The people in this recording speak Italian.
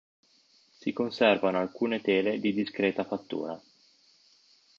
Si conservano alcune tele di discreta fattura.